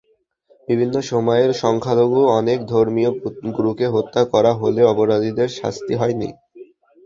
বিভিন্ন সময়ে সংখ্যালঘু অনেক ধর্মীয় গুরুকে হত্যা করা হলেও অপরাধীদের শাস্তি হয়নি।